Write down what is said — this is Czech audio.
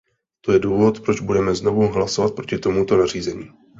To je důvod, proč budeme znovu hlasovat proti tomuto nařízení.